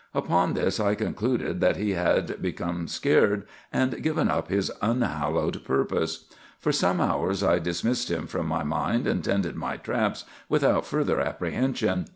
"Upon this I concluded that he had become scared, and given up his unhallowed purpose. For some hours I dismissed him from my mind, and tended my traps without further apprehension.